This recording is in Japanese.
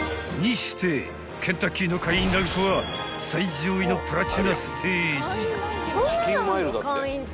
してケンタッキーの会員ランクは最上位のプラチナステージ］